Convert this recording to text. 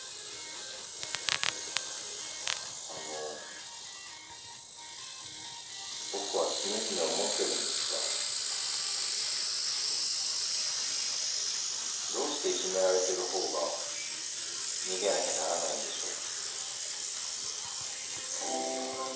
あの僕は常々思ってるんですがどうしていじめられてる方が逃げなきゃならないんでしょう。